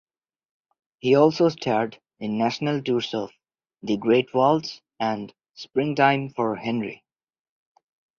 He also starred in National tours of "The Great Waltz" and "Springtime for Henry".